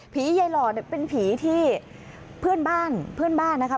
ผีใยหลอดเนี่ยเป็นผีที่เพื่อนบ้านนะคะ